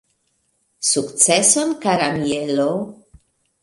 Sukceson kara Mielo!